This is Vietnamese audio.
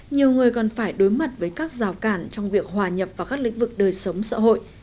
nhiều người còn phải đối mặt với các rào cản trong việc hòa nhập vào các lĩnh vực đời sống xã hội